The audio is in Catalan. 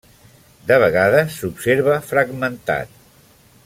De vegades s’observa fragmentat.